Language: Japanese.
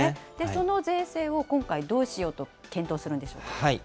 その税制を今回、どうしようと検討するんでしょうか。